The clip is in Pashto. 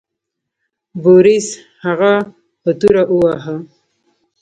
بوریس هغه په توره وواهه.